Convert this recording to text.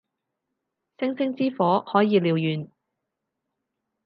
星星之火可以燎原